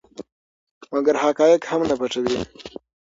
مګر حقایق هم نه پټوي.